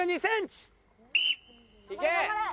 いけ！